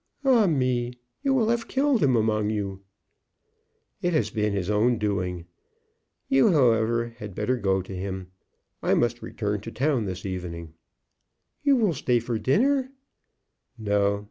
"Ah me! you will have killed him among you!" "It has been his own doing. You, however, had better go to him. I must return to town this evening." "You will stay for dinner?" "No.